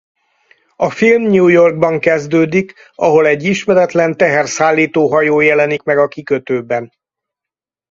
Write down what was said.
A film New Yorkban kezdődik ahol egy ismeretlen teherszállító hajó jelenik meg a kikötőben.